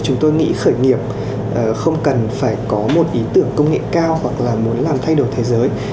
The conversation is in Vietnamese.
chúng tôi nghĩ khởi nghiệp không cần phải có một ý tưởng công nghệ cao hoặc là muốn làm thay đổi thế giới